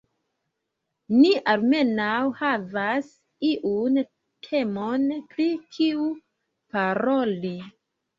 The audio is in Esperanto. Ni almenaŭ havas iun temon, pri kiu paroli.